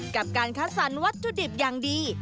กับการคัดสรรวัตถุดิบอย่างดี